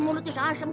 mulutnya asem kok